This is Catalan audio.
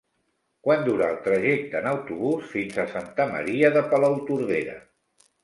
Quant dura el trajecte en autobús fins a Santa Maria de Palautordera?